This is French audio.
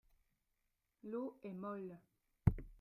L’eau est molle.